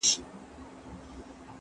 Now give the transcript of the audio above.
زه اوس ښوونځی ځم!؟